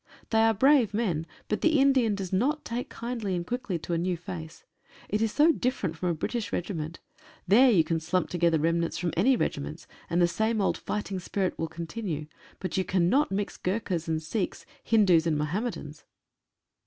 They are brave men, but the Indian does not take kindly and quickly to a new face. It is so different from a British regiment. There you can slump together remnants from any regiments, and the same old fighting spirit will continue. But you cannot mix Gurkhas and Sikhs, Hindoos, and Mohammedans.